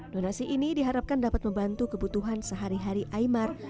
donasi ini diharapkan dapat membantu kebutuhan sehari hari imar